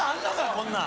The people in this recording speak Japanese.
こんなの。